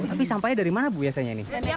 tapi sampahnya dari mana bu biasanya ini